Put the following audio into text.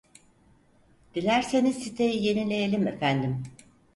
Dilerseniz siteyi yenileyelim efendim